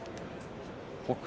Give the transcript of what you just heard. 北勝